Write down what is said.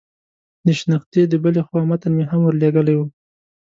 د شنختې د بلې خوا متن مې هم ور لېږلی و.